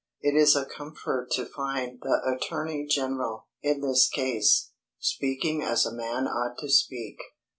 It is a comfort to find the attorney general, in this case, speaking as a man ought to speak.